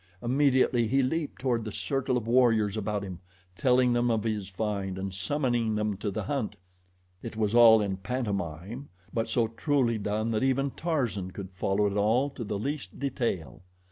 Immediately he leaped toward the circle of warriors about him, telling them of his find and summoning them to the hunt. It was all in pantomime; but so truly done that even Tarzan could follow it all to the least detail.